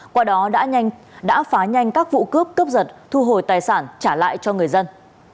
qua đó đã phá nhanh các vụ cướp cướp giật thu hồi tài sản trả lại cho người dân